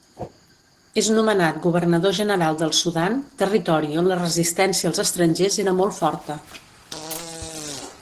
És nomenat Governador General del Sudan, territori on la resistència als estrangers era molt forta.